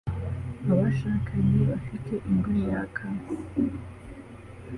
Abashakanye bafite ingwe yaka